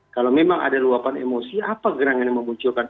kalau memang ada luapan emosi apa gerangan yang memunculkan